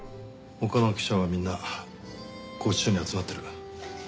他の記者はみんな拘置所に集まってる。